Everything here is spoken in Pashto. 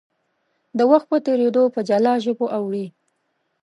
د وخت په تېرېدو په جلا ژبو اوړي.